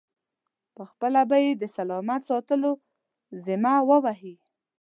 پخپله به یې د سلامت ساتلو ذمه و وهي.